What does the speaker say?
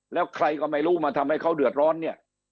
แล้วใครก็ไม่รู้มาทำให้เขาเดือดร้อนเนี่ย